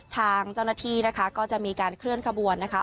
ทางเจ้าหน้าที่นะคะก็จะมีการเคลื่อนขบวนนะคะ